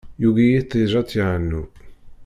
Yugi yiṭij ad tt-yeɛnu.